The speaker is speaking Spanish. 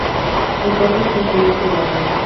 Entonces consumió su alma.